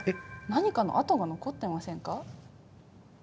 何かの跡が残ってませんか？